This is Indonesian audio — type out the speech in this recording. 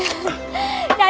hékulah si ngerang